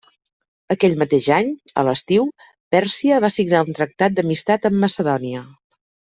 Aquell mateix any, a l'estiu, Pèrsia va signar un tractat d'amistat amb Macedònia.